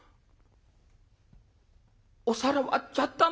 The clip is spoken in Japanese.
「お皿割っちゃったの」。